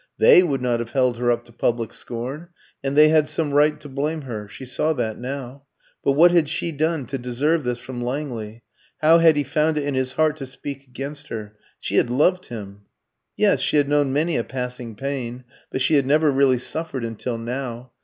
They would not have held her up to public scorn. And they had some right to blame her, she saw that now. But what had she done to deserve this from Langley? How had he found it in his heart to speak against her? She had loved him. Yes, she had known many a passing pain, but she had never really suffered until now.